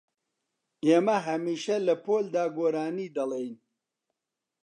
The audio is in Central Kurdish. ئێمە هەمیشە لە پۆلدا گۆرانی دەڵێین.